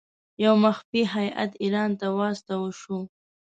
یو مخفي هیات ایران ته واستاوه شو.